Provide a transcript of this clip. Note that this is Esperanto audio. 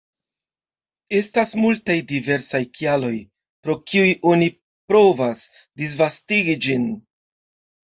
Estas multaj diversaj kialoj, pro kiuj oni provas disvastigi ĝin.